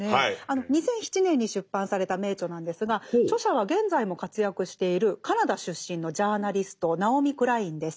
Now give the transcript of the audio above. ２００７年に出版された名著なんですが著者は現在も活躍しているカナダ出身のジャーナリストナオミ・クラインです。